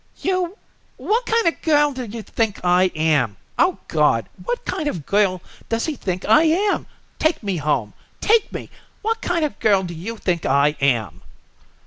"You What kind of a girl do you think I am? O God! What kind of a girl does he think I am? Take me home take me What kind of a girl do you think I am?"